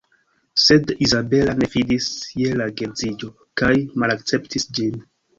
Sed Izabela ne fidis je la geedziĝo kaj malakceptis ĝin.